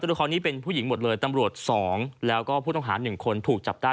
ละครนี้เป็นผู้หญิงหมดเลยตำรวจ๒แล้วก็ผู้ต้องหา๑คนถูกจับได้